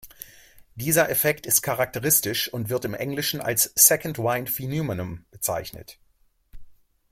Dieser Effekt ist charakteristisch und wird im Englischen als "Second-Wind-Phenomenon" bezeichnet.